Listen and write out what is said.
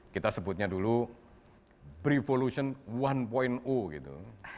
kita sebutnya dulu prevolution satu gitu